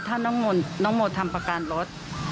ถ้าน้องโมทำประกันรถ